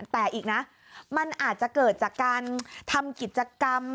แต่อีกนะมันอาจจะเกิดจากการทำกิจกรรม